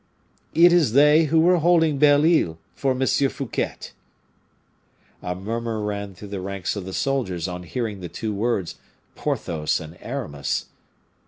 "It is they who were holding Bell Isle for M. Fouquet." A murmur ran through the ranks of the soldiers on hearing the two words "Porthos and Aramis."